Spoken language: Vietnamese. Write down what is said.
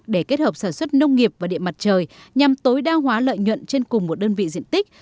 để kết hợp sản xuất nông nghiệp và điện mặt trời nhằm tối đa hóa lợi nhuận trên cùng một đơn vị diện tích